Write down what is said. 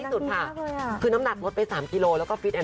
สุดท้ายที่สุดค่ะ